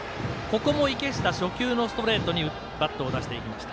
池下、初球のストレートにバットを出していきました。